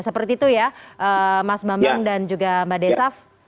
seperti itu ya mas bambang dan juga mbak desaf